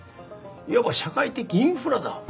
いわば社会的インフラだ。